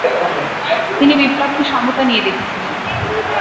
তিনি বিপ্লবকে সমতা নিয়ে দেখেছিলেন।